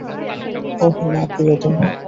ওহ না, প্রিয়তমা!